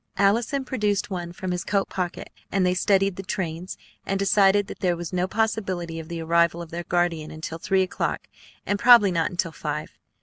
Allison produced one from his coat pocket, and they studied the trains, and decided that there was no possibility of the arrival of their guardian until three o'clock, and probably not until five.